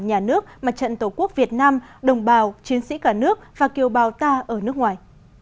nhà nước mặt trận tổ quốc việt nam đồng bào chiến sĩ cả nước và kiều bào ta ở nước ngoài